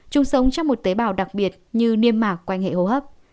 chúng sống trong một tế bào đặc biệt như niêm mạc hệ hô hấp